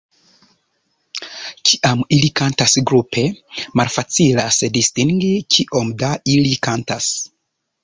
Kiam ili kantas grupe, malfacilas distingi kiom da ili kantas.